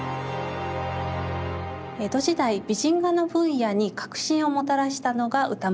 江戸時代美人画の分野に革新をもたらしたのが歌麿です。